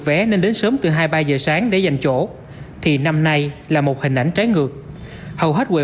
vé nên đến sớm từ hai mươi ba giờ sáng để giành chỗ thì năm nay là một hình ảnh trái ngược hầu hết quầy